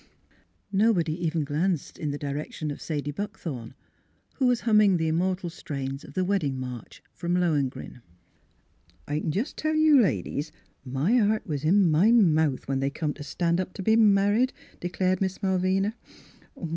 Nobody even glanced in the direction of Miss Pkilura's Wedding Gown Sadie Buckthorn, who was humming the immortal strains of the wedding march from Lohengrin. " I c'n jes' tell you ladies my heart was in my mouth when they come t' stan' up t' be married," declared Miss Malvina.